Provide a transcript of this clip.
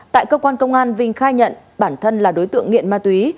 tại công an vinh khai nhận bản thân là đối tượng nghiện ma túy